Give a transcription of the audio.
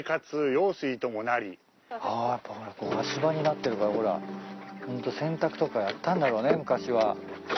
あやっぱ足場になってるからほらホント洗濯とかやったんだろうね昔は。